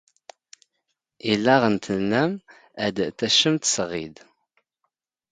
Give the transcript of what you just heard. ⵉⵏⵏⴰ ⵖ ⵏⵏ ⵜⵍⵍⴰⵎ ⴰⴷ ⵜⴰⵛⵎⵜ ⵙ ⵖⵉⴷ.